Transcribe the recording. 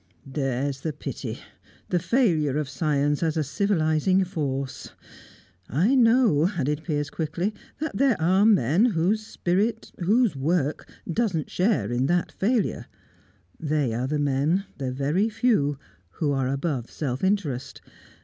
"There's the pity the failure of science as a civilising force. I know," added Piers quickly, "that there are men whose spirit, whose work, doesn't share in that failure; they are the men the very few who are above self interest.